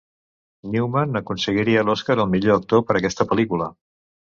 Newman aconseguiria l'Oscar al millor actor per aquesta pel·lícula.